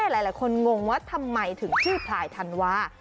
หลายคนงงว่าทำไมถึงชื่อพลายธันวา